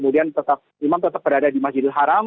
dan imam tetap berada di masjidil haram